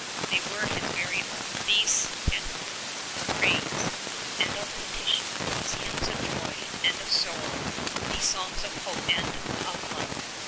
They were his very own, these canticles of praise and of petition, these hymns of joy and of sorrow, these songs of hope and of love.